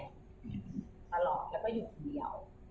ตลอดแล้วก็อยู่คนเดียว